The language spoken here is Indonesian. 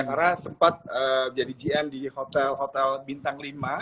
karena sempat jadi gm di hotel hotel bintang lima